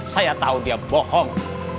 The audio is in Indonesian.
saya tau dia bohong